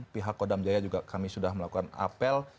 pihak kodam jaya juga kami sudah melakukan apel